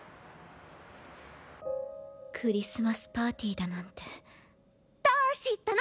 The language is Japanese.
クリスマスパーティーだなんて・どうしたの？